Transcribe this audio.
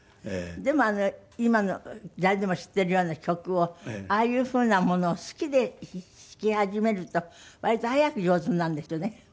でも今の誰でも知っているような曲をああいうふうなものを好きで弾き始めると割と早く上手になるんですよね。